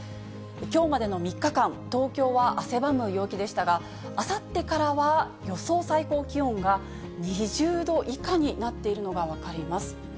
きょうまでの３日間、東京は汗ばむ陽気でしたが、あさってからは予想最高気温が２０度以下になっているのが分かります。